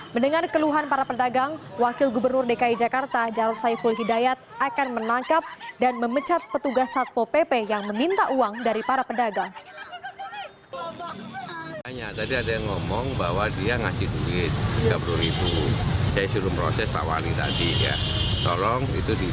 mendengar keluhan para pedagang wakil gubernur dki jakarta jarod saiful hidayat akan menangkap dan memecat petugas satpo pp yang meminta uang dari para pedagang